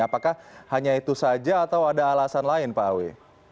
apakah hanya itu saja atau ada alasan lain pak awi